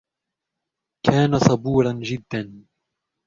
كان صبوراً جداً.